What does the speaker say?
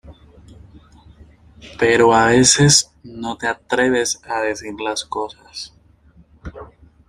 pero a veces no te atreves a decir las cosas